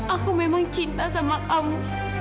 aku memang cinta sama kamu